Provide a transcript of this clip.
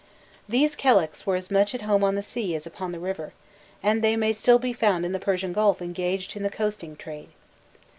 These keleks were as much at home on the sea as upon the river, and they may still be found in the Persian Gulf engaged in the coasting trade.